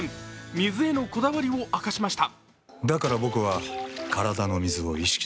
水へのこだわりを明かしました。